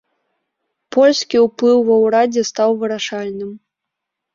Польскі ўплыў ва ўрадзе стаў вырашальным.